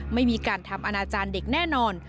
ไม่มีการทำอนาจารย์เด็กแน่นอน